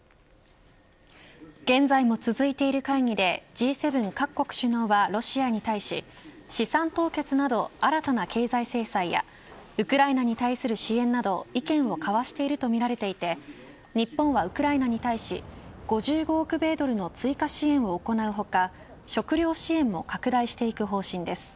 現在も続いている会議でＧ７各国首脳はロシアに対し資産凍結など新たな経済制裁やウクライナに対する支援など意見を交わしているとみられていて日本はウクライナに対し５５億米ドルの追加支援を行う他食糧支援も拡大していく方針です。